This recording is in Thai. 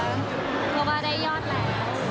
เพราะว่าได้ยอดแล้ว